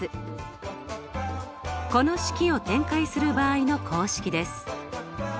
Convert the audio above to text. この式を展開する場合の公式です。